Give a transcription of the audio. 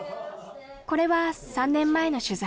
これは３年前の取材